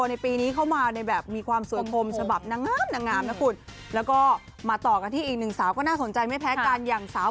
แมนปรีถิงมีเข้ามาในแบบมีความสวยคลมฉบับนางนามน้องคุณแล้วก็มาต่อกันที่อีกหนึ่งสวมใจไม่แพร่กันอย่างสาว